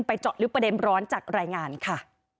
เจาะลึกประเด็นร้อนจากรายงานค่ะ